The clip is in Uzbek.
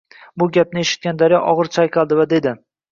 Bu gapni eshitgan daryo ogʻir chayqaldi va dedi